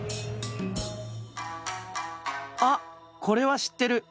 あっこれは知ってる。